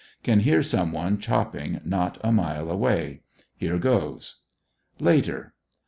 Can hear some one chopping not a mile away. Here goes. Later.